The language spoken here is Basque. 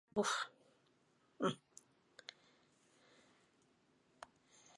Talde errumaniarrak eta alemaniarrak dira garaipen gehien lortu dituztenak.